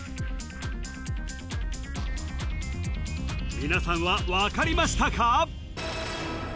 皆さんはわかりましたか？